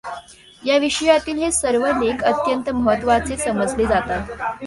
या विषयातील हे सर्व लेख अत्यंत महत्त्वाचे समजले जातात.